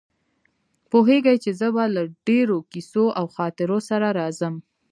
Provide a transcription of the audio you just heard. پوهېږي چې زه به له ډېرو کیسو او خاطرو سره راځم.